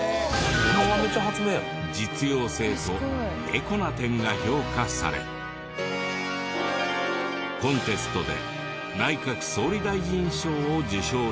実用性とエコな点が評価されコンテストで内閣総理大臣賞を受賞したのです。